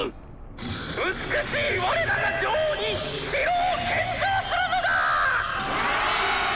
「美しい我らが女王に城を献上するのだ！」。